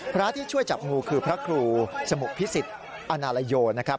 พระที่ช่วยจับงูคือพระครูสมุพิสิทธิ์อาณาลโยนะครับ